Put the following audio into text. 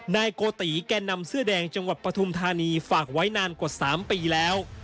นายโกติแก่นำเสื้อแดงจังหวัดปฐุมธานีฝากไว้นานกว่า๓ปีแล้ว